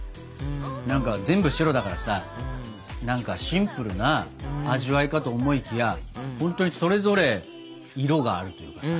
何か全部白だからさシンプルな味わいかと思いきやほんとにそれぞれ色があるというかさ